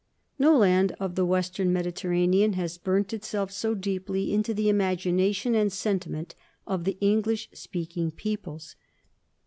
No land of the western Mediterranean has burnt itself so deeply into the imagination and sentiment of the English speaking peoples.